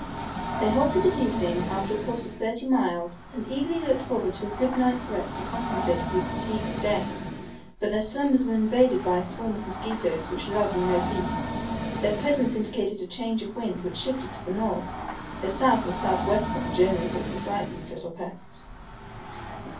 They halted at evening after a course of thirty miles and eagerly looked forward to a good night's rest to compensate for the fatigue of day. But their slumbers were invaded by a swarm of mosquitoes, which allowed them no peace. Their presence indicated a change of wind which shifted to the north. A south or southwest wind generally puts to flight these little pests.